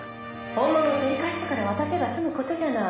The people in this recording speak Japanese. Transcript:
本物を取り返してから渡せば済む事じゃない。